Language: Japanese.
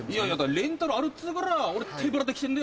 レンタルあるっつうから俺手ぶらで来てんだよ。